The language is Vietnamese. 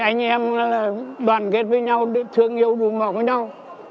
anh em đoàn kết với nhau thương yêu đủ mọc với nhau